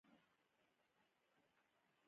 خو زه هڅه کوم خپل ټول توان راټول کړم.